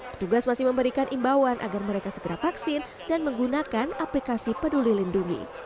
petugas masih memberikan imbauan agar mereka segera vaksin dan menggunakan aplikasi peduli lindungi